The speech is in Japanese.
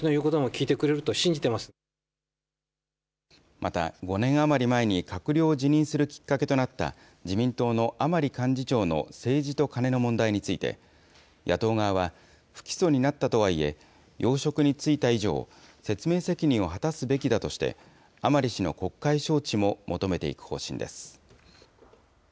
また、５年余り前に閣僚を辞任するきっかけとなった、自民党の甘利幹事長の政治とカネの問題について、野党側は、不起訴になったとはいえ、要職に就いた以上、説明責任を果たすべきだとして、甘利氏の国会招致も求めていく方針です。